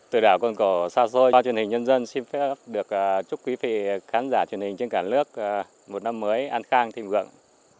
từ đảo cồn cỏ xa xôi qua chương trình nhân dân xin phép được chúc quý vị khán giả chương trình trên cả nước một năm mới an khang thịnh vượng